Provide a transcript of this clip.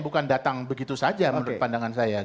bukan datang begitu saja menurut pandangan saya